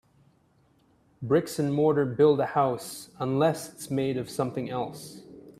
Bricks and mortar build a house, unless it’s made of something else.